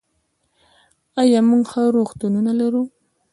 آیا موږ ښه روغتونونه لرو؟